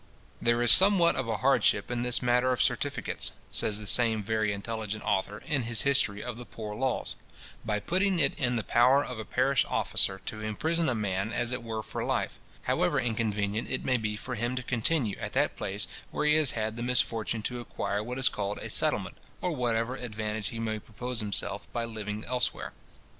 "There is somewhat of hardship in this matter of certificates," says the same very intelligent author, in his History of the Poor Laws, "by putting it in the power of a parish officer to imprison a man as it were for life, however inconvenient it may be for him to continue at that place where he has had the misfortune to acquire what is called a settlement, or whatever advantage he may propose himself by living elsewhere."